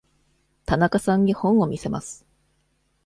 田中さんに本を見せます。